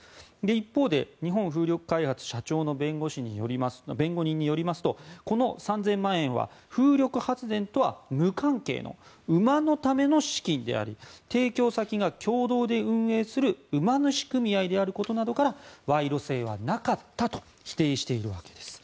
一方で日本風力開発社長の弁護人によりますとこの３０００万円は風力発電とは無関係な馬のための資金であり提供先が共同で運営する馬主組合であることなどから賄賂性はなかったと否定しているわけです。